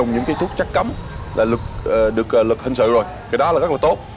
những cái thuốc chắc cấm là được lực hình sợi rồi cái đó là rất là tốt